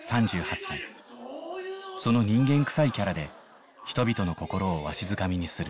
その人間くさいキャラで人々の心をわしづかみにする。